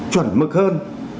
chuẩn mực hơn